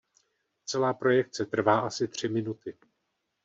Celá projekce trvá asi tři minuty.